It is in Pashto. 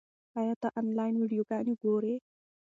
ایا ته آنلاین ویډیوګانې ګورې؟